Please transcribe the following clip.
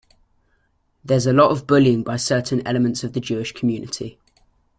There's a lot of bullying by certain elements of the Jewish community.